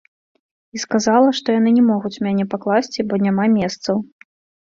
І сказала, што яны не могуць мяне пакласці, бо няма месцаў.